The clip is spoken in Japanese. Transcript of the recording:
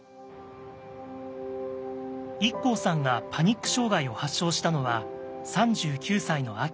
ＩＫＫＯさんがパニック障害を発症したのは３９歳の秋。